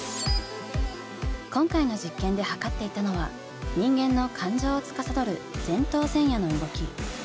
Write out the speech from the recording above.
今回の実験で測っていたのは人間の感情をつかさどる前頭前野の動き。